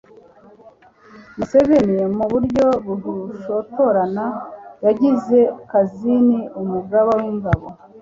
museveni mu buryo bushotorana yagize kazini umugaba w'ingabo